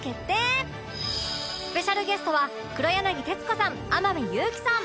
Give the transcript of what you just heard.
スペシャルゲストは黒柳徹子さん天海祐希さん